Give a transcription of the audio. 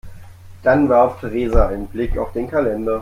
Dann warf Theresa einen Blick auf den Kalender.